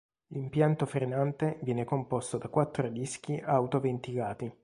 L'impianto frenante viene composto da quattro dischi auto ventilati.